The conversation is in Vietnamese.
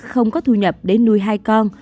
không có thu nhập để nuôi hai con